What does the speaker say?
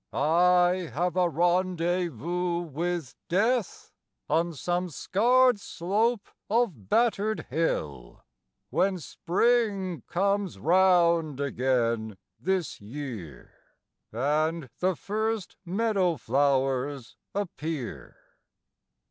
I have a rendezvous with Death On some scarred slope of battered hill, When Spring comes round again this year And the first meadow flowers appear.